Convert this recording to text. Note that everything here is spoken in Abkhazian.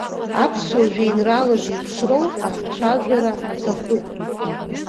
Аԥсуа жәеинраала зеиԥшроу ахцәажәара аҭахуп.